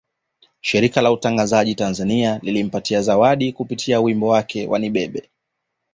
Shirika la Utangazaji Tanzania lilimpatia zawadi kwa kupitia wimbo wake wa Nibebe